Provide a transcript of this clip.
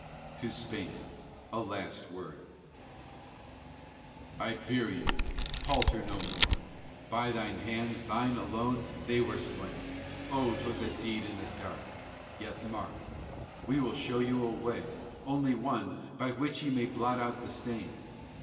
TO SPAIN A LAST WORD Iberian! palter no more! By thine hands, thine alone, they were slain! Oh, 'twas a deed in the dark Yet mark! We will show you a way only one by which ye may blot out the stain!